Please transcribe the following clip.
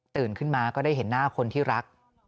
ขึ้นมาก็ได้เห็นหน้าคนที่รัก